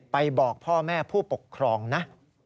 บอกพ่อแม่ผู้ปกครองนะ